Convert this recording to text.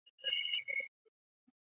中文版由台湾角川出版发行。